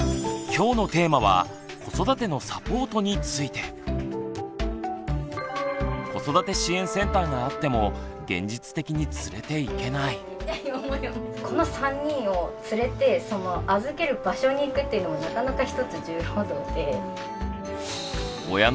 きょうのテーマは「子育てのサポート」について。子育て支援センターがあってもこの３人を連れてその預ける場所に行くっていうのもなかなかひとつ重労働で。